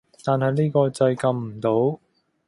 但係呢個掣撳唔到